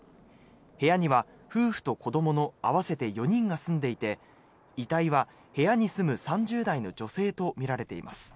部屋には夫婦と子どもの合わせて４人が住んでいて遺体は部屋に住む３０代の女性とみられています。